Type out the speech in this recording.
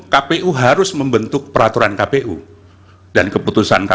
kpu harus membentuk peraturan kpu dan keputusan kpu